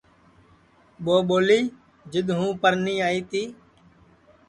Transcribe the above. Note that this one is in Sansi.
ٻو ٻولی جِدؔ ہوں پرنی آئی تی